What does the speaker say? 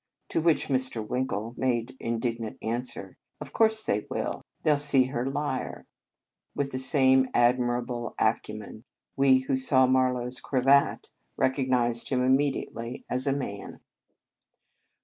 To which Mr. Winkle makes indignant answer: "Of course they will. They ll 50 The Convent Stage see her lyre." With the same admi rable acumen, we who saw Marlow s cravat recognized him immediately as a man.